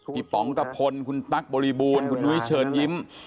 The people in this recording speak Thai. ป๋องกะพลคุณตั๊กบริบูรณ์คุณนุ้ยเชิญยิ้ม